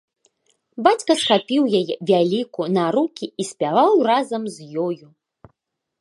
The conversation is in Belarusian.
Бацька схапіў яе, вялікую, на рукі і спяваў разам з ёю.